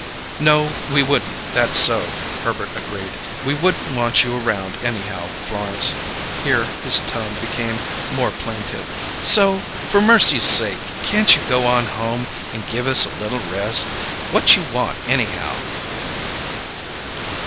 "No, we wouldn't; that's so," Herbert agreed. "We wouldn't want you around, anyhow, Florence." Here his tone became more plaintive. "So, for mercy's sakes can't you go on home and give us a little rest? What you want, anyhow?"